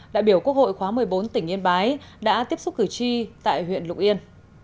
đại biểu quốc hội khóa một mươi bốn tỉnh yên bái đã tiếp xúc cử tri tại huyện lục yên